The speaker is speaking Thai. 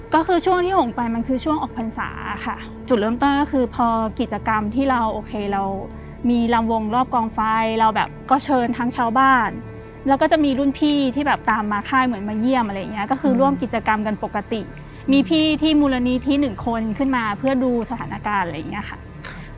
ก็คือช่วงที่หงไปมันคือช่วงออกพรรษาค่ะจุดเริ่มต้นก็คือพอกิจกรรมที่เราโอเคเรามีลำวงรอบกองไฟเราแบบก็เชิญทั้งชาวบ้านแล้วก็จะมีรุ่นพี่ที่แบบตามมาค่ายเหมือนมาเยี่ยมอะไรอย่างเงี้ยก็คือร่วมกิจกรรมกันปกติมีพี่ที่มูลนิธิหนึ่งคนขึ้นมาเพื่อดูสถานการณ์อะไรอย่างเงี้ยค่ะ